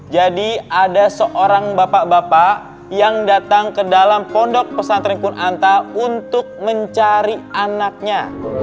ada seorang bapak bapak yang datang ke dalam pondok pesantren pun anta untuk mencari anaknya